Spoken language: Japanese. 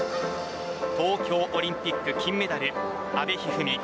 東京オリンピック金メダル阿部一二三。